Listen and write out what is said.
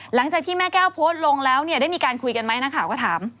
หลังจากที่แม่แก้วโพสต์ลงแล้วเนี่ยได้มีการคุยกันไหมนักข่าวก็ถาม